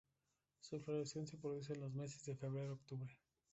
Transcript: Su floración se produce en los meses de febrero–octubre.